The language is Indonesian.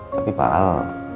tapi pak al